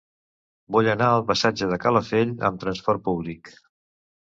Vull anar al passatge de Calafell amb trasport públic.